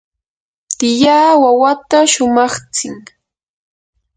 tiyaa wawata shumaqtsin.